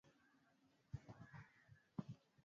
Alimpigia simu mtaalamu na kumuuliza kuhusu lile suala